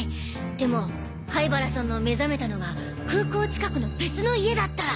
でも灰原さんの目覚めたのが空港近くの別の家だったら。